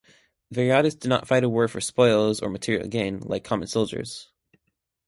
Viriatus did not fight for war spoils or material gain, like common soldiers.